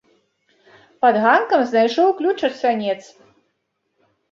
Пад ганкам знайшоў ключ ад сянец.